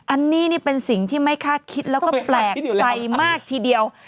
อันนี้นี่เป็นสิ่งที่ไม่คาดคิดแล้วก็แปลกใจมากทีเดียว